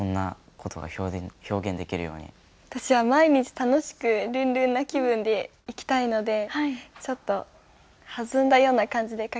私は毎日楽しくルンルンな気分で生きたいのでちょっと弾んだような感じで書きたいと思います。